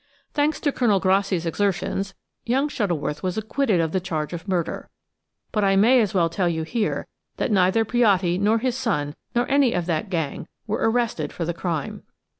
Thanks to Colonel Grassi's exertions, young Shuttleworth was acquitted of the charge of murder; but I may as well tell you here that neither Piatti nor his son, nor any of that gang, were arrested for the crime.